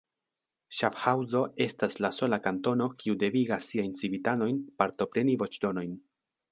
Ŝafhaŭzo estas la sola kantono, kiu devigas siajn civitanojn partopreni voĉdonojn.